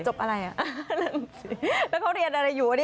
จบอะไรแล้วเขาเรียนอะไรอยู่